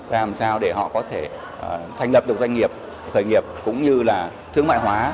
làm sao để họ có thể thành lập được doanh nghiệp khởi nghiệp cũng như là thương mại hóa